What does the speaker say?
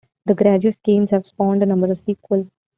The "Gradius" games have spawned a number of sequels.